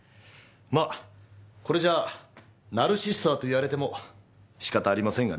まあこれじゃナルシストだと言われても仕方ありませんがね。